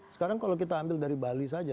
sekarang kalau kita ambil dari bali saja